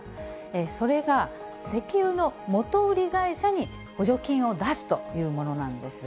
それが、石油の元売り会社に補助金を出すというものなんです。